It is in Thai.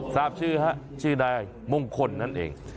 ทราบชื่อในมงคลนั้นเอง